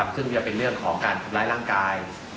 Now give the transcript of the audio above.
ซึ่งจะเป็นเรื่องของการทำร้ายร่างกาย